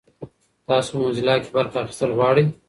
تاسو په موزیلا کې برخه اخیستل غواړئ؟